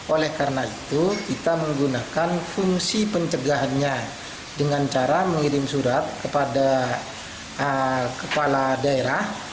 oleh karena itu kita menggunakan fungsi pencegahannya dengan cara mengirim surat kepada kepala daerah